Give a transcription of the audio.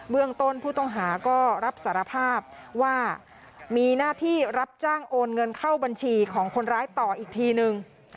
เมืองต้นผู้ต้องหาก็รับสารภาพว่ามีหน้าที่รับจ้างโอนเงินเข้าบัญชีของคนร้ายต่ออีกทีนึง